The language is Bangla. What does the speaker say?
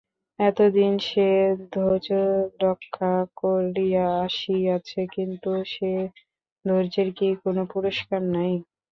এত দিন সে ধৈর্যরক্ষা করিয়া আসিয়াছে, কিন্তু সে ধের্যের কি কোনো পুরস্কার নাই?